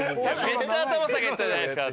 めっちゃ頭下げてたじゃないですか。